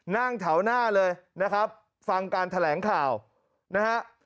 นั่งแถวหน้าเลยนะครับฟังการแถลงข่าวนะฮะ